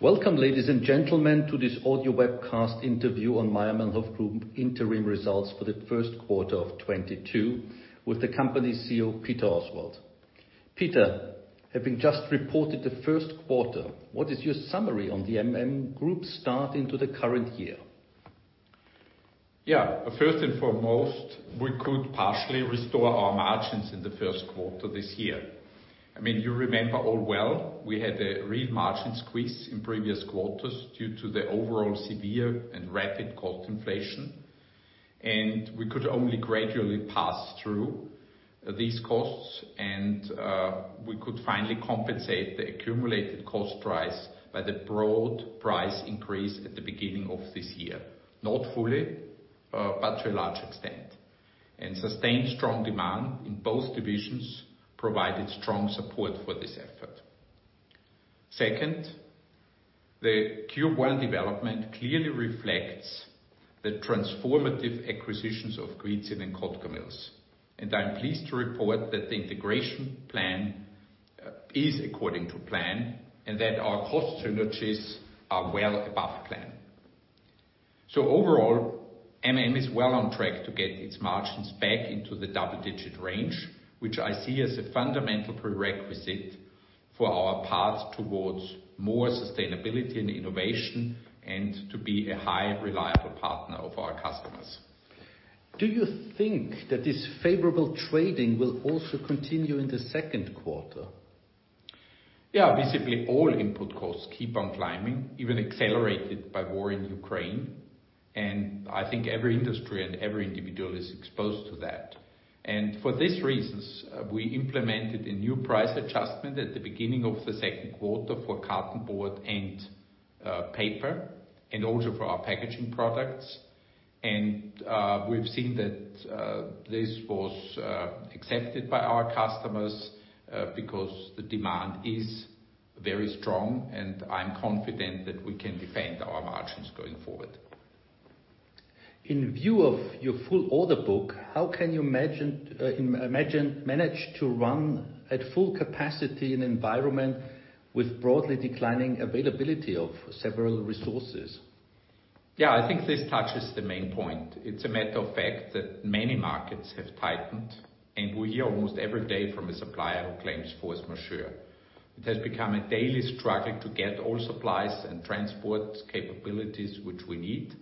Welcome, ladies and gentlemen, to this audio webcast interview on Mayr-Melnhof Group interim results for the first quarter of 2022 with the company CEO, Peter Oswald. Peter, having just reported the first quarter, what is your summary on the MM Group start into the current year? Yeah. First and foremost, we could partially restore our margins in the first quarter this year. I mean, you remember all well, we had a real margin squeeze in previous quarters due to the overall severe and rapid cost inflation. We could only gradually pass through these costs and we could finally compensate the accumulated cost price by the broad price increase at the beginning of this year, not fully, but to a large extent. Sustained strong demand in both divisions provided strong support for this effort. Second, the Q1 development clearly reflects the transformative acquisitions of Kwidzyn and Kotkamills. I'm pleased to report that the integration plan is according to plan and that our cost synergies are well above plan. Overall, MM is well on track to get its margins back into the double-digit range, which I see as a fundamental prerequisite for our path towards more sustainability and innovation and to be a highly reliable partner of our customers. Do you think that this favorable trading will also continue in the second quarter? Yeah. Basically, all input costs keep on climbing, even accelerated by war in Ukraine. I think every industry and every individual is exposed to that. For these reasons, we implemented a new price adjustment at the beginning of the second quarter for cartonboard and paper, and also for our packaging products. We've seen that this was accepted by our customers because the demand is very strong, and I'm confident that we can defend our margins going forward. In view of your full order book, how can you manage to run at full capacity in an environment with broadly declining availability of several resources? Yeah, I think this touches the main point. It's a matter of fact that many markets have tightened, and we hear almost every day from a supplier who claims force majeure. It has become a daily struggle to get all supplies and transport capabilities which we need.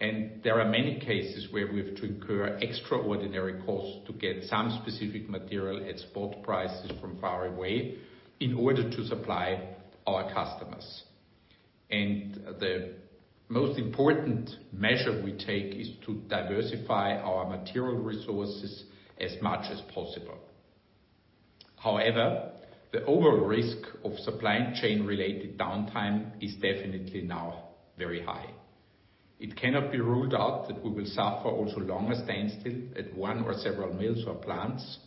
There are many cases where we have to incur extraordinary costs to get some specific material at spot prices from far away in order to supply our customers. The most important measure we take is to diversify our material resources as much as possible. However, the overall risk of supply chain-related downtime is definitely now very high. It cannot be ruled out that we will suffer also longer standstill at one or several mills or plants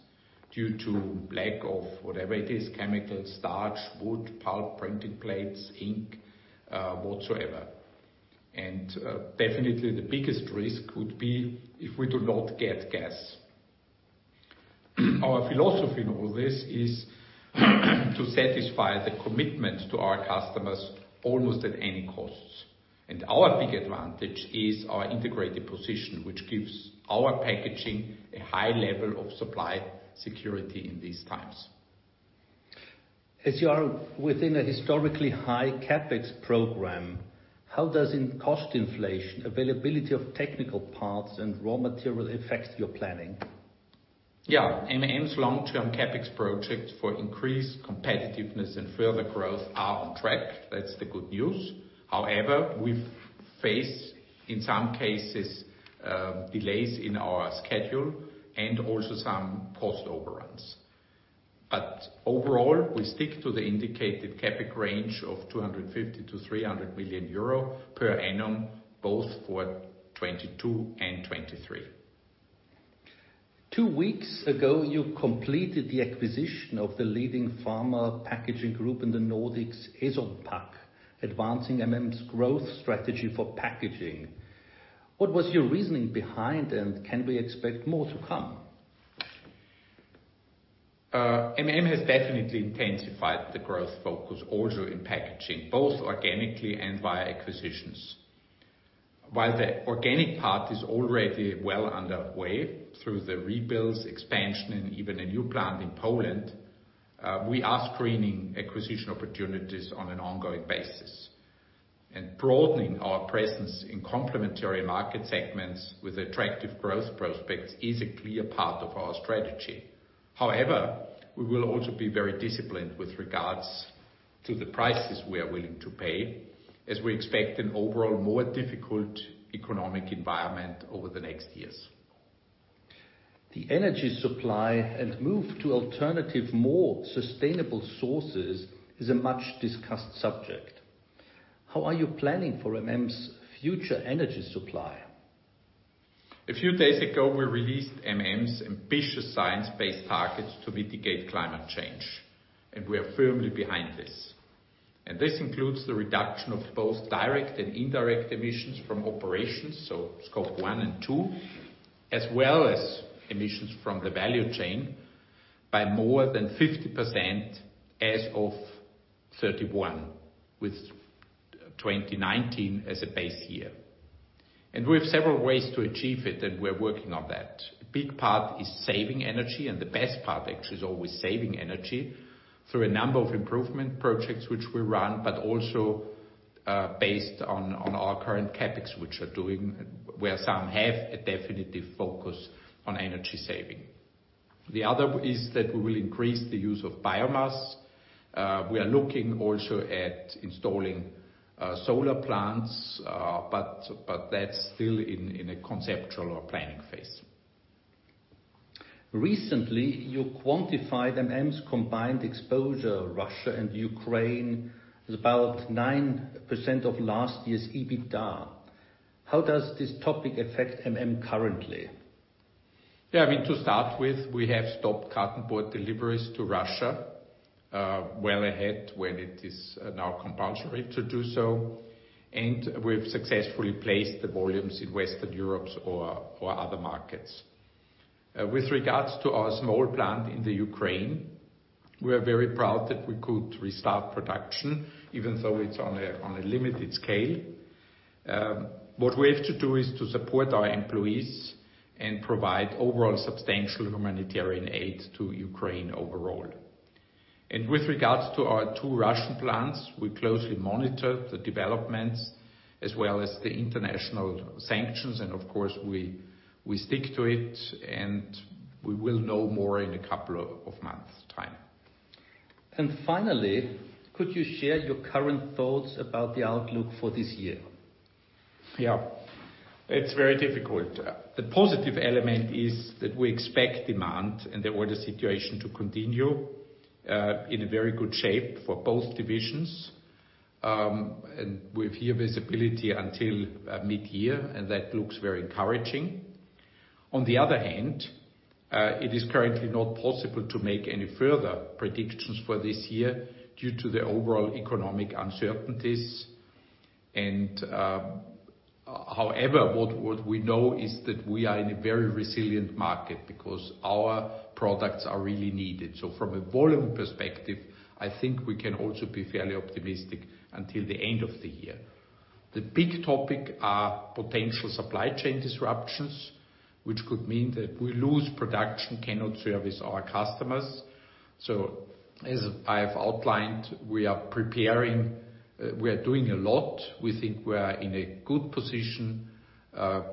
due to lack of whatever it is, chemicals, starch, wood, pulp, printing plates, ink, whatsoever. Definitely the biggest risk would be if we do not get gas. Our philosophy in all this is to satisfy the commitment to our customers almost at any cost. Our big advantage is our integrated position, which gives our packaging a high level of supply security in these times. As you are within a historically high CapEx program, how does input cost inflation, availability of technical parts, and raw material affect your planning? Yeah. MM's long-term CapEx project for increased competitiveness and further growth are on track. That's the good news. However, we face, in some cases, delays in our schedule and also some cost overruns. Overall, we stick to the indicated CapEx range of 250 million-300 million euro per annum, both for 2022 and 2023. Two weeks ago, you completed the acquisition of the leading pharma packaging group in the Nordics, Eson Pac, advancing MM's growth strategy for packaging. What was your reasoning behind, and can we expect more to come? MM has definitely intensified the growth focus also in packaging, both organically and via acquisitions. While the organic part is already well underway through the rebuilds, expansion, and even a new plant in Poland, we are screening acquisition opportunities on an ongoing basis. Broadening our presence in complementary market segments with attractive growth prospects is a clear part of our strategy. However, we will also be very disciplined with regards to the prices we are willing to pay as we expect an overall more difficult economic environment over the next years. The energy supply and move to alternative more sustainable sources is a much-discussed subject. How are you planning for MM's future energy supply? A few days ago, we released MM's ambitious science-based targets to mitigate climate change, and we are firmly behind this. This includes the reduction of both direct and indirect emissions from operations, so Scope 1 and Scope 2, as well as emissions from the value chain by more than 50% as of 2031, with 2019 as a base year. We have several ways to achieve it, and we're working on that. A big part is saving energy, and the best part actually is always saving energy through a number of improvement projects which we run, but also, based on our current CapEx where some have a definitive focus on energy saving. The other is that we will increase the use of biomass. We are looking also at installing solar plants, but that's still in a conceptual or planning phase. Recently, you quantified MM's combined exposure to Russia and Ukraine is about 9% of last year's EBITDA. How does this topic affect MM currently? Yeah, I mean to start with, we have stopped cartonboard deliveries to Russia well ahead when it is now compulsory to do so, and we've successfully placed the volumes in Western Europe or other markets. With regards to our small plant in the Ukraine, we are very proud that we could restart production, even though it's on a limited scale. What we have to do is to support our employees and provide overall substantial humanitarian aid to Ukraine overall. With regards to our two Russian plants, we closely monitor the developments as well as the international sanctions and of course we stick to it and we will know more in a couple of months' time. Finally, could you share your current thoughts about the outlook for this year? Yeah. It's very difficult. The positive element is that we expect demand and the order situation to continue in a very good shape for both divisions. We have visibility until midyear, and that looks very encouraging. On the other hand, it is currently not possible to make any further predictions for this year due to the overall economic uncertainties. However, what we know is that we are in a very resilient market because our products are really needed. From a volume perspective, I think we can also be fairly optimistic until the end of the year. The big topic are potential supply chain disruptions, which could mean that we lose production, cannot service our customers. As I have outlined, we are preparing. We are doing a lot. We think we are in a good position,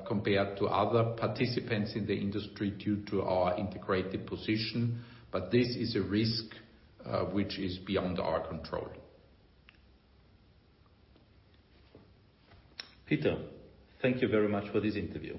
compared to other participants in the industry, due to our integrated position, but this is a risk which is beyond our control. Peter, thank you very much for this interview.